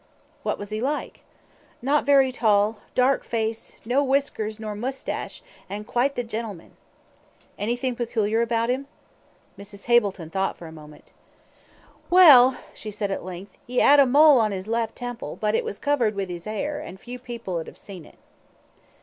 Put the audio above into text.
"What was he like?" "Not very tall, dark face, no whiskers nor moustache, an' quite the gentleman." "Anything peculiar about him?" Mrs. Hableton thought for a moment. "Well," she said at length, "he 'ad a mole on his left temple, but it was covered with 'is 'air, an' few people 'ud 'ave seen it."